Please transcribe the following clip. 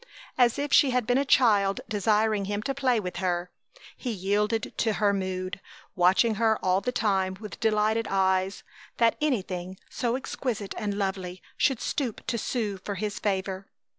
As if she had been a child desiring him to play with her, he yielded to her mood, watching her all the time with delighted eyes, that anything so exquisite and lovely should stoop to sue for his favor.